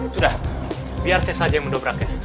sudah biar saya saja yang mendobraknya